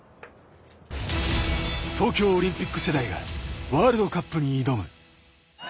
東京オリンピック世代がワールドカップに挑む。